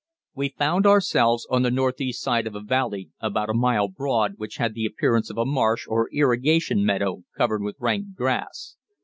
We found ourselves on the northeast side of a valley about a mile broad which had the appearance of a marsh or irrigation meadow covered with rank grass.